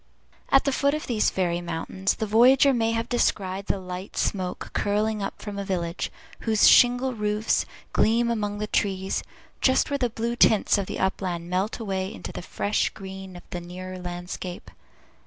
At the foot of these fairy mountains, the voyager may have descried the light smoke curling up from a Village, whose shingle roofs gleam among the trees, just where the blue tints of the upland melt away into the fresh green of the nearer landscape.